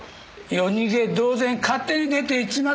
夜逃げ同然勝手に出て行っちまったんだよ。